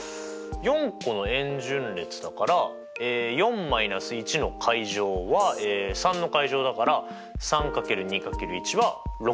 ４個の円順列だから４−１の階乗は３の階乗だから３×２×１＝６。